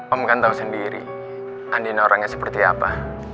om kan tahu sendiri andina orangnya seperti apa